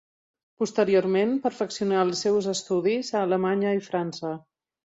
Posteriorment perfeccionà els seus estudis a Alemanya i França.